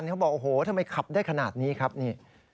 เขาบอกโอ้โฮทำไมขับได้ขนาดนี้